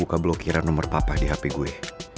gue gak mau buka blokiran nomor buku papan di bazir hape gue